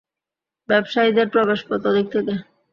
ব্যবসায়ীদের প্রবেশপথ ওদিক থেকে।